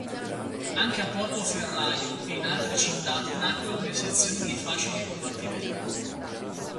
Anche a Portoferraio e in altre città nacquero le sezioni dei fasci di combattimento.